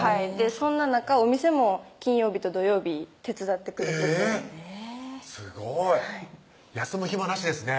そんな中お店も金曜日と土曜日手伝ってくれてるすごい休む暇なしですね